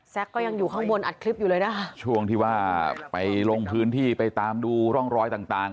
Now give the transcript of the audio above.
ก็ยังอยู่ข้างบนอัดคลิปอยู่เลยนะคะช่วงที่ว่าไปลงพื้นที่ไปตามดูร่องรอยต่างต่าง